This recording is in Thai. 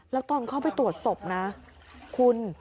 แล้วตอนเข้าไปตรวจศพนะคุณ